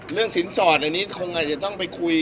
สินสอดอันนี้คงอาจจะต้องไปคุย